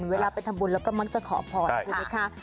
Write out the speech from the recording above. เวลาไปทำบุญแล้วก็มักจะขอพรใช่ไหมคะ